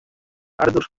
আরে, ধুর!